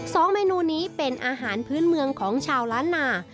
สองเมนูนี้เป็นอาหารพื้นเมืองของชาวล้านนา